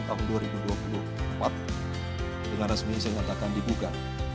tahun dua ribu dua puluh empat dengan resmi saya nyatakan dibuka